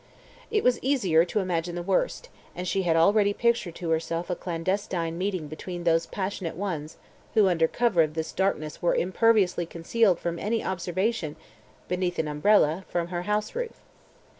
It was easier to imagine the worst, and she had already pictured to herself a clandestine meeting between those passionate ones, who under cover of this darkness were imperviously concealed from any observation (beneath an umbrella) from her house roof.